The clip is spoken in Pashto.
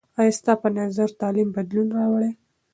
آیا ستا په نظر تعلیم بدلون راوړي؟